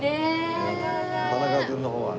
田中君の方はね。